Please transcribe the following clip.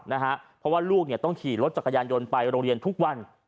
เพราะว่าลูกต้องขี่รถจักรยานยนต์ไปโรงเรียนทุกวัน